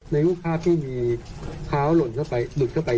ในว่าที่มีคร้าวหลุดเข้าไป